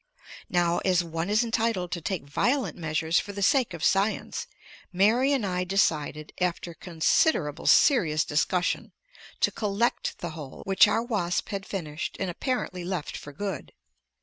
Now as one is entitled to take violent measures for the sake of science, Mary and I decided after considerable serious discussion to "collect" the hole which our wasp had finished and apparently left for good.